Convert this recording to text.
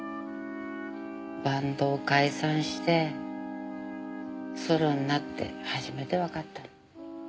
バンドを解散してソロになって初めてわかったの。